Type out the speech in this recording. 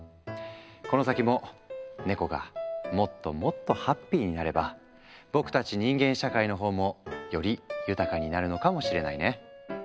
この先もネコがもっともっとハッピーになれば僕たち人間社会のほうもより豊かになるのかもしれないね。